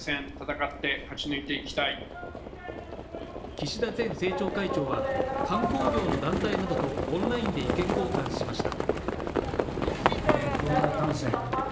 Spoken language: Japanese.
岸田前政調会長は観光業の団体などとオンラインで意見交換しました。